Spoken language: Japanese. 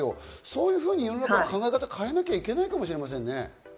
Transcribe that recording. そういうふうに世の中の考え方を変えなきゃいけないかもしれませんね。